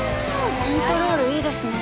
コントロールいいですね